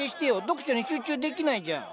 読書に集中できないじゃん。